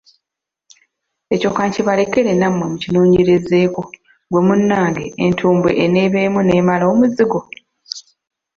Ekyo ka nkibalekere nammwe mukinoonyerezeeko, ggwe munnange entumbwe eneeba emu n'emala omuzigo!